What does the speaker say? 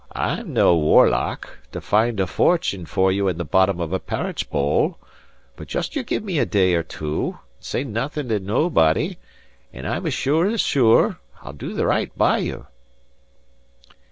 I'm nae warlock, to find a fortune for you in the bottom of a parritch bowl; but just you give me a day or two, and say naething to naebody, and as sure as sure, I'll do the right by you."